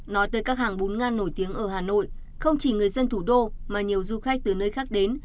nói tới các hàng bún ngan nổi tiếng ở hà nội không chỉ người dân thủ đô mà nhiều du khách từ nơi khác đến